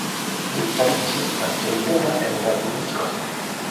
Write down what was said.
Li fariĝis la plej juna el la ministroj.